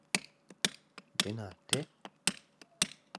Лена, те?